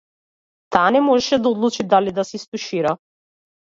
Таа не можеше да одлучи дали да се истушира.